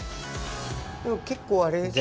結構あれですね。